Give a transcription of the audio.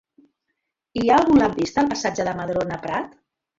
Hi ha algun lampista al passatge de Madrona Prat?